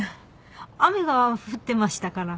雨が降ってましたから。